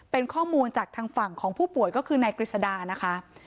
เป็นข้อมูลจากทางฝั่งของผู้ป่วยก็คือนายกฤษดานะคะ